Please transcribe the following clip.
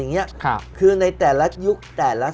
แมทโอปอล์